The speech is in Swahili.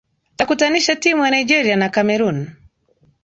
takutanisha timu ya nigeria na cameroon